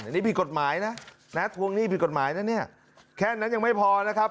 อันนี้ผิดกฎหมายนะนะทวงหนี้ผิดกฎหมายนะเนี่ยแค่นั้นยังไม่พอนะครับ